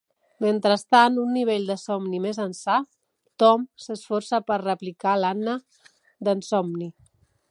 Mentrestant, un nivell de somni més ençà, Tom s'esforça per replicar l'Anna d'ensomni.